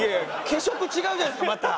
毛色違うじゃないですかまた。